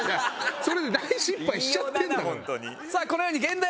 それで大失敗しちゃってるんだから。